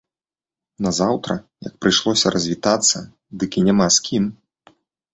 Назаўтра, як прыйшлося развітацца, дык і няма з кім.